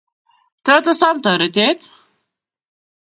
tot osom toretet